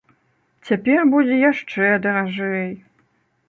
Цяпер будзе яшчэ даражэй.